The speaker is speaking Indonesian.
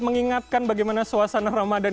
mengingatkan bagaimana suasana ramadhan